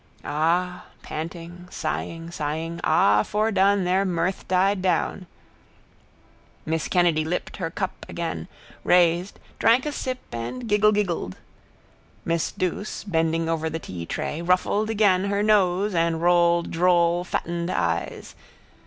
Ah, panting, sighing, sighing, ah, fordone, their mirth died down. Miss Kennedy lipped her cup again, raised, drank a sip and gigglegiggled. Miss Douce, bending over the teatray, ruffled again her nose and rolled droll fattened eyes.